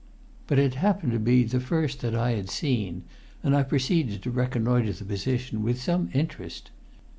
But it happened to be the first that I had seen, and I proceeded to reconnoitre the position with some interest.